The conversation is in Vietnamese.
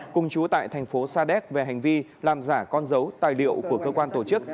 cùng chú tại thành phố sa đéc về hành vi làm giả con dấu tài liệu của cơ quan tổ chức